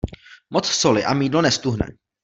Moc soli a mýdlo neztuhne.